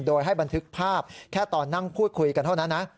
โดยให้บันทึกภาพแค่ตอนนั่งพูดคุยกันเท่านั้นนะ